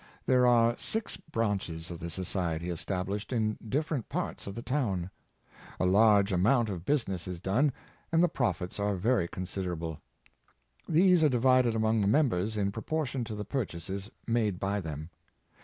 There are six branches of the society established in different parts of the town. A large amount of busi ness is done, and the profits are very considerable. These are divided among the members, in proportion to the purchases made by them.